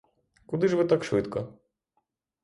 Куди ж ви так швидко?